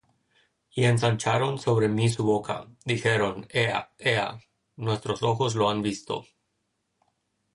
Y ensancharon sobre mí su boca; Dijeron: ¬Ea, ea, nuestros ojos lo han visto!